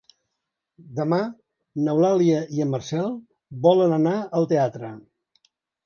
Demà n'Eulàlia i en Marcel volen anar al teatre.